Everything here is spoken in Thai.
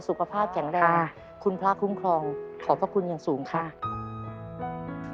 สุขภาพแข็งแรงคุณพระคุ้มครองขอบพระคุณอย่างสูงค่ะ